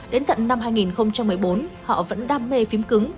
đến tận năm hai nghìn một mươi bốn họ vẫn đam mê phím cứng